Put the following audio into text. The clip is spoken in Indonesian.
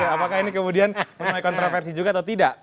apakah ini kemudian menuai kontroversi juga atau tidak